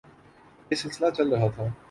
یہ سلسلہ چل رہا تھا۔